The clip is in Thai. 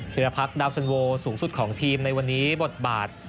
ธิรพรรคดาวสันโวสูงสุดของทีมในวันนี้บทบาท